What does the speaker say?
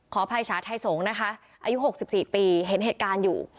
ขอภัยฉาไทยสงฯนะคะอายุหกสิบสี่ปีเห็นเหตุการณ์อยู่